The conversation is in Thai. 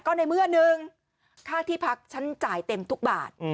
ก็ในเมื่อหนึ่งค่าที่พักฉันจ่ายเต็มทุกบาท